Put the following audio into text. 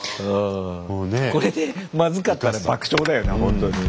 これでまずかったら爆笑だよな本当に。